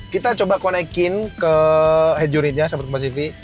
kita coba konekin ke head unitnya sama teman teman cv